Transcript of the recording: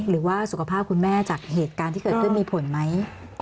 หรือว่าสุขภาพคุณแม่จากเหตุการณ์ที่เกิดขึ้นมีผลไหม